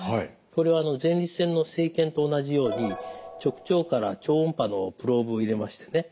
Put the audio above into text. これは前立腺の生検と同じように直腸から超音波のプローブを入れましてね